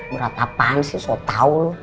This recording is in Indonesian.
berat apaan sih soal tau lu